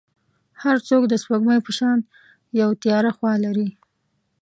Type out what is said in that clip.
هر څوک د سپوږمۍ په شان یو تیاره خوا لري.